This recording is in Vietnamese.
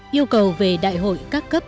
yêu cầu về đại hội các cấp